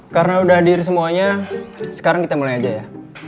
karena udah hadir semuanya sekarang kita mulai aja ya